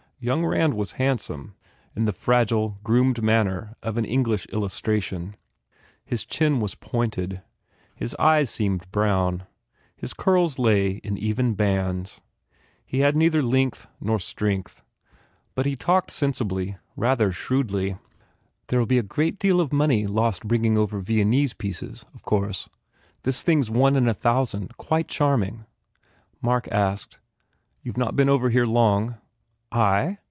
Young Rand was handsome in the fragile, groomed manner of an English illustra tion. His chin was pointed. His eyes seemed brown. His curls lay in even bands. He had neither length nor strength. But he talked sensibly, rather shrewdly. "There ll be a deal of money lost bringing over Viennese pieces, of course. This thing s one in a thousand. Quite charming." Mark asked, "You ve not been over here long?" "I?"